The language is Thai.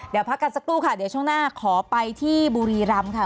เดี๋ยวพักกันสักครู่ค่ะเดี๋ยวช่วงหน้าขอไปที่บุรีรำค่ะ